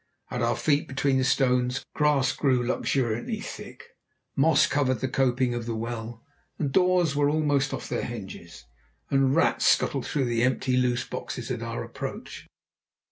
At our feet, between the stones, grass grew luxuriantly, thick moss covered the coping of the well, the doors were almost off their hinges, and rats scuttled through the empty loose boxes at our approach.